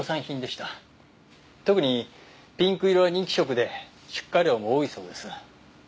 特にピンク色は人気色で出荷量も多いそうです。